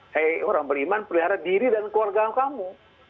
hei orang beriman pelihara diri dan keluarga kamu